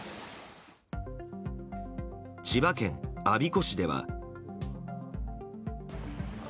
千葉県我孫子市では。